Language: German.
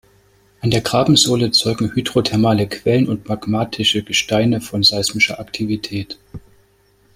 An der Grabensohle zeugen hydrothermale Quellen und magmatische Gesteine von seismischer Aktivität.